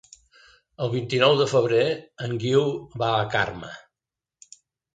El vint-i-nou de febrer en Guiu va a Carme.